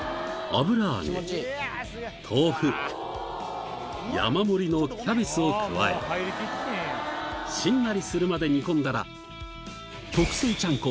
油揚げ豆腐山盛りのキャベツを加えしんなりするまで煮込んだら特製ちゃんこ